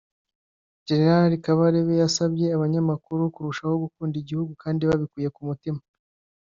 Gen Kabarebe yasabye abanyamakuru kurushaho gukunda igihugu kandi babikuye ku mutima